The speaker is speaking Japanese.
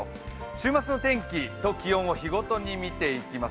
週末の天気と気温を日ごとに見ていきます。